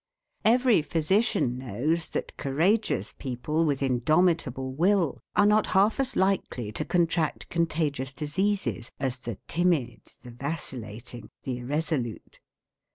Every physician knows that courageous people, with indomitable will, are not half as likely to contract contagious diseases as the timid, the vacillating, the irresolute.